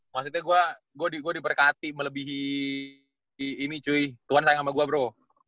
maksudnya gua diberkati melebihi ini cuy tuhan sayang sama gua bro